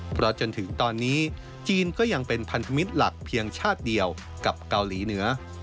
เพราะจนถึงตอนนี้จีนก็ยังเป็นพันธมิตรหลักเพียงชาติเดียวกับเกาหลีเหนือ